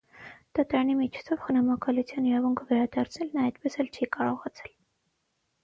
Դատարանի միջոցով խնամակալության իրավունքը վերադարձնել նա այդպես էլ չի կարողացել։